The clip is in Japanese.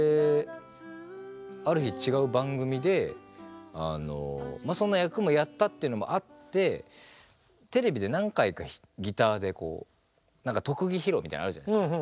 ある日違う番組でそんな役もやったっていうのもあってテレビで何回かギターでこう特技披露みたいなのあるじゃないですか。